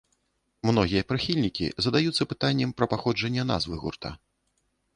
Многія прыхільнікі задаюцца пытаннем пра паходжанне назвы гурта.